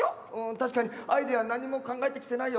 確かにアイデア何も考えてきてないよ。